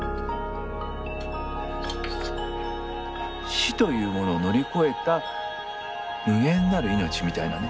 死というものを乗り越えた無限なる命みたいなね。